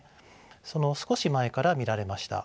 その少し前から見られました。